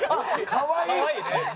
かわいい。